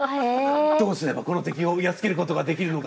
どうすればこの敵をやっつけることができるのか。